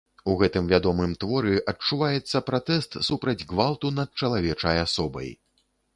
У гэтым вядомым творы адчуваецца пратэст супраць гвалту над чалавечай асобай.